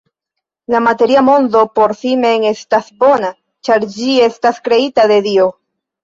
La materia mondo, por si mem, estas bona, ĉar ĝi estis kreita de Dio.